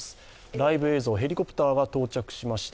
ライブ映像、ヘリコプターが到着しました。